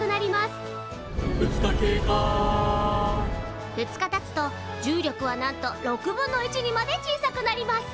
「２日経過」２日たつと重力はなんと６分の１にまで小さくなります。